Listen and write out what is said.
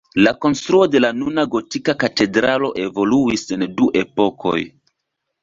La konstruo de la nuna gotika katedralo evoluis en du epokoj.